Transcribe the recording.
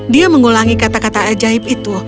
dia mengulangi kata kata ajaib itu